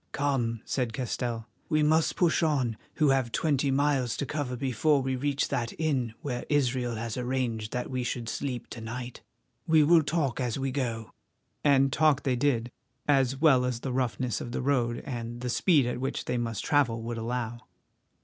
"Come," said Castell, "we must push on, who have twenty miles to cover before we reach that inn where Israel has arranged that we should sleep to night. We will talk as we go." And talk they did, as well as the roughness of the road and the speed at which they must travel would allow.